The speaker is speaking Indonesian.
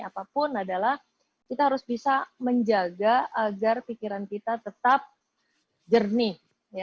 apapun adalah kita harus bisa menjaga agar pikiran kita tetap jernih